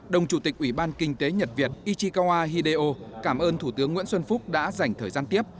đồng chủ tịch ủy ban kinh tế nhật việt ichikawa hideo cảm ơn thủ tướng nguyễn xuân phúc đã dành thời gian tiếp